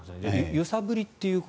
揺さぶりということ。